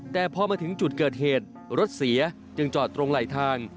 แต่พอมาถึงจุดเกิดเหตุรถเสียจึงจอดตรงไหลทาง